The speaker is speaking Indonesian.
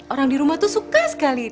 orang dirumah tuh suka sekali